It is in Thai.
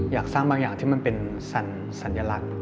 อยากสร้างบางอย่างที่มันเป็นสัญลักษณ์